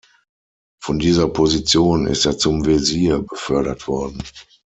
Von dieser Position ist er zum „Wesir“ befördert worden.